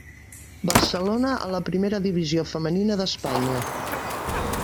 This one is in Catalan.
Barcelona a la Primera Divisió femenina d'Espanya.